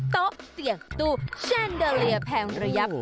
โต๊ะเสี่ยงตู้แชนเดอเรียแพงระยับ